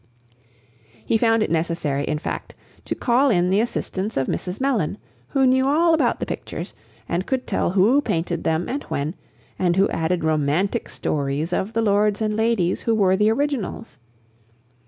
He found it necessary, in fact, to call in the assistance of Mrs. Mellon, who knew all about the pictures, and could tell who painted them and when, and who added romantic stories of the lords and ladies who were the originals.